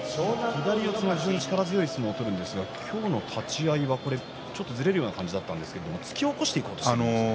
左四つが非常に力強い相撲を取るんですが今日は立ち合いが、これはずれるような感じだったんですが突き起こしていこうとしたんでしょうか。